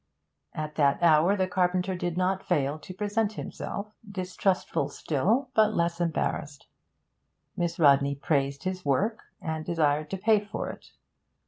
At that hour the carpenter did not fail to present himself, distrustful still, but less embarrassed. Miss Rodney praised his work, and desired to pay for it.